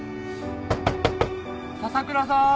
笹倉さん。